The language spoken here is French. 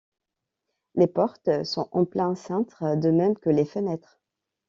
Les portes sont en plein cintre, de même que les fenêtres.